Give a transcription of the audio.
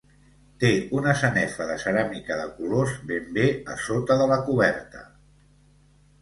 Té una sanefa de ceràmica de colors ben bé a sota de la coberta.